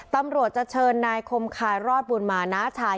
ตำรวจจะเชิญนายคมคายรอดบุญมาน้าชาย